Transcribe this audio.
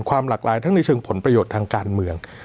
ความหลากหลายทั้งในเชิงผลประโยชน์ทางการเมือง